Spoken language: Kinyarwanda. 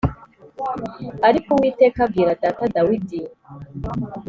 ariko Uwiteka abwira data Dawidi